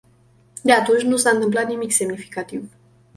De atunci nu s-a întâmplat nimic semnificativ.